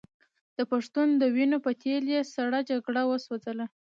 د پښتون د وینو په تېل یې سړه جګړه وسوځوله.